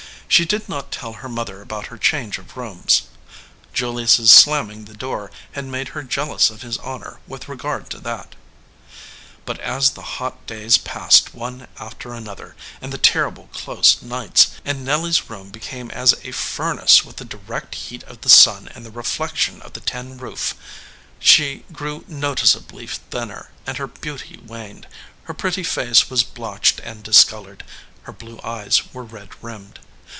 She did not tell her mother about her change of rooms. Jul ius s slamming the door had made her jealous of his honor with regard to that But as the hot days passed one after another, and the terrible close nights, and Nelly s room be came as a furnace with the direct heat of the sun and the reflection of the tin roof, she grew notice ably thinner and her beauty waned. Her pretty face was blotched and discolored; her blue eyes were red rimmed.